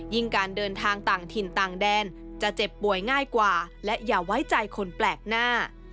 การเดินทางต่างถิ่นต่างแดนจะเจ็บป่วยง่ายกว่าและอย่าไว้ใจคนแปลกหน้า